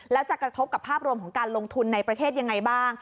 แล้วจะกระทบกับภาพรวมของการลงทุนในประเทศยังไงบ้าง